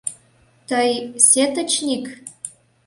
Тый... сетычник?..